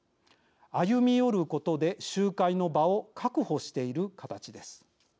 歩み寄ることで集会の場を確保している形です。